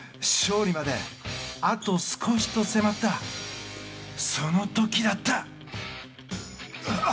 勝利まであと少しと迫ったその時だった。